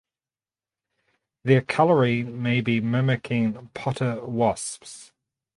Their coloring may be mimicking potter wasps.